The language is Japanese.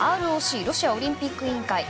ＲＯＣロシアオリンピック委員会